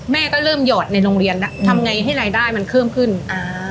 แม่ก็เริ่มหยอดในโรงเรียนแล้วทำไงให้รายได้มันเพิ่มขึ้นอ่า